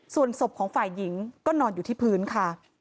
ส่วนศพของฝ่ายหญิงก็นอนอยู่ที่พื้นค่ะ